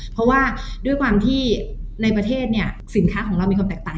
เพราะว่าด้วยความที่ในประเทศเนี่ยสินค้าของเรามีความแตกต่าง